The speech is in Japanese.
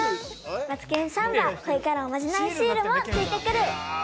マツケンサンバ恋かなおまじないシールも付いてくる。